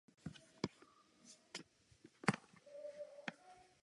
Ve filmu "Adam and Eve" byla partnerkou Camerona Douglase v roli biblické Evy.